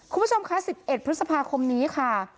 คุณผู้ชมคะ๑๑พฤษภาคมนี้ค่ะ